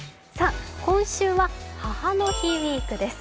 今週は母の日ウイークです。